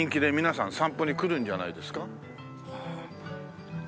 皆さん散歩に来るんじゃないですか？